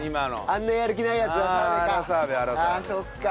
あんなやる気ないやつは澤部か。